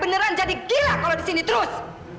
beneran jadi gila kalau di sini terus